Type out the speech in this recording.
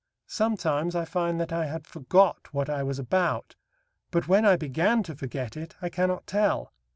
Sometimes I find that I had forgot what I was about, but when I began to forget it, I cannot tell.